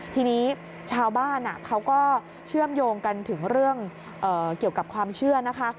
ทีนี้ชาวบ้านเขาก็เชื่อมโยงกันถึงเรื่องเกี่ยวกับความเชื่อนะคะ